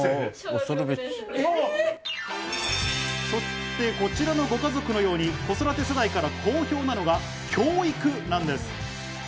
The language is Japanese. そしてこちらのご家族のように子育て世代から好評なのが教育なんです。